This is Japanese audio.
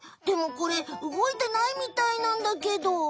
でもこれ動いてないみたいなんだけど。